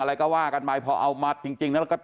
อะไรก็ว่ากันไปพอเอามาจริงแล้วก็